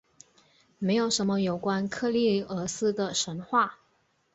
没有什么有关克利俄斯的神话。